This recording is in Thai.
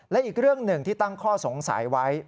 และอีกเรื่องหนึ่งที่ตั้งข้อสงสัยไว้